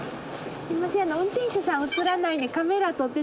すいません。